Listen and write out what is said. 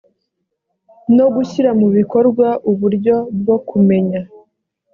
no gushyira mu bikorwa uburyo bwo kumenya